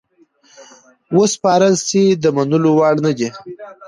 وسپارل سي د منلو وړ نه دي.